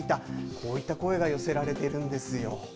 こういった声が寄せられているんですよ。